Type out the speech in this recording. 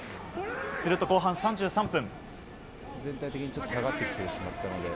すると後半３３分。